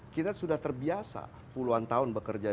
kita sudah terbiasa puluhan tahun bekerja di negara